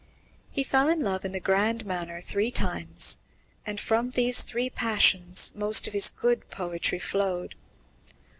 He fell in love in the grand manner three times, and from these three passions most of his good poetry flowed.